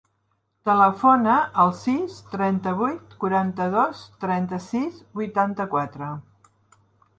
Telefona al sis, trenta-vuit, quaranta-dos, trenta-sis, vuitanta-quatre.